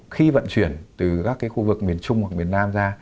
khi vận chuyển từ các khu vực miền trung hoặc miền nam ra